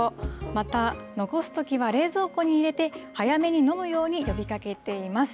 また、残すときは冷蔵庫に入れて、早めに飲むように呼びかけています。